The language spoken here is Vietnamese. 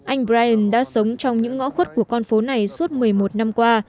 anh brien đã sống trong những ngõ khuất của con phố này suốt một mươi một năm qua